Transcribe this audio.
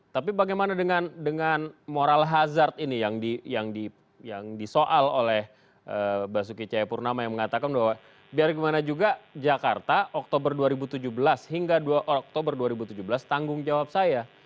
tapi bagaimana dengan moral hazard ini yang disoal oleh basuki cahayapurnama yang mengatakan bahwa biar gimana juga jakarta oktober dua ribu tujuh belas hingga oktober dua ribu tujuh belas tanggung jawab saya